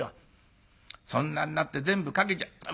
そんなんなって全部かけちゃ。